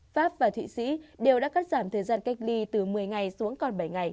pháp và thụy sĩ đều đã cắt giảm thời gian cách ly từ một mươi ngày xuống còn bảy ngày